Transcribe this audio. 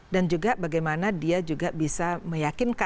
dan juga bagaimana dia juga bisa berkomunikasi dengan pusat